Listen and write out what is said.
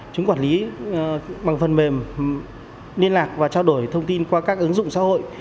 chúng quản lý bằng phần mềm liên lạc và trao đổi thông tin qua các ứng dụng xã hội